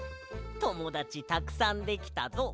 ともだちたくさんできたぞ。